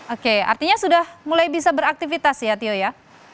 oke artinya sudah mulai bisa beraktivitas ya tio ya